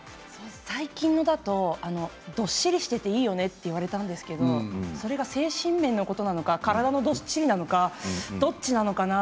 最近のだとどっしりしていていいよねと言われたんですけどそれが精神面のことなのか体のどっしりなのかどっちなのかな？